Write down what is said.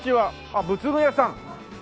あっ仏具屋さん？